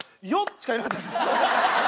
しか言えなかったです。